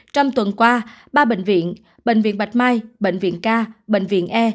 trong tuần qua ba bệnh viện bệnh viện bạch mai bệnh viện ca bệnh viện e